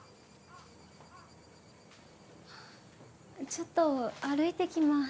ちょっと歩いてきます。